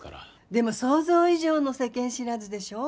でも想像以上の世間知らずでしょ？